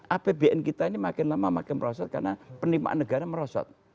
apbn kita ini makin lama makin merosot karena penerimaan negara merosot